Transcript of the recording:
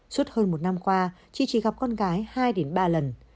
suốt hơn một năm qua chị chỉ gặp con gái hai ba lần